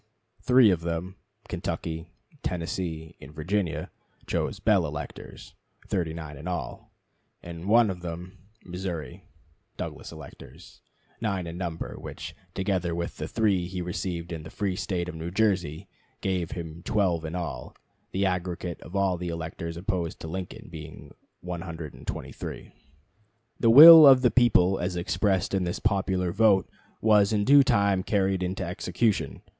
Three of them Kentucky, Tennessee, and Virginia chose Bell electors, 39 in all; and one of them Missouri Douglas electors, 9 in number, which, together with the 3 he received in the free State of New Jersey, gave him 12 in all: the aggregate of all the electors opposed to Lincoln being 123. The will of the people as expressed in this popular vote was in due time carried into execution.